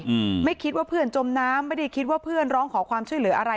อืมไม่คิดว่าเพื่อนจมน้ำไม่ได้คิดว่าเพื่อนร้องขอความช่วยเหลืออะไร